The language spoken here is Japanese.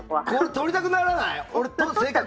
取りたくならない？